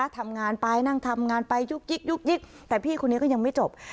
ทำงานไปนั่งทำงานไปยุกยิกยุกยิกแต่พี่คนนี้ก็ยังไม่จบ